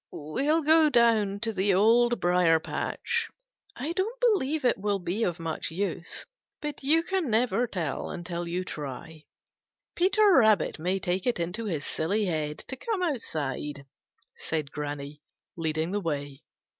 "We'll go down to the Old Briar patch. I don't believe it will be of much use, but you never can tell until you try. Peter Rabbit may take it into his silly head to come outside," said Granny, leading the way.